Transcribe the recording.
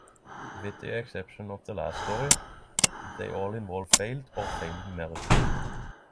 With the exception of the last story, they all involve failed or failing marriages.